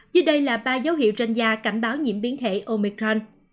dưới đây là ba dấu hiệu trên da cảnh báo nhiễm biến thể omicron